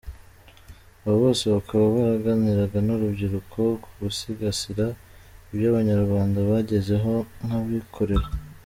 Aba bose bakaba baraganiraga n’urubyiruko k’ugusigasira ibyo abanyarwanda bagezeho nkabikorera.